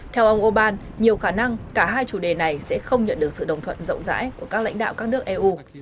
theo ông orbán nhiều khả năng cả hai chủ đề này sẽ không nhận được sự đồng thuận rộng rãi của các lãnh đạo các nước eu